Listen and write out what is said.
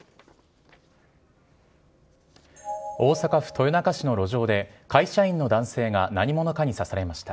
大阪府豊中市の路上で、会社員の男性が何者かに刺されました。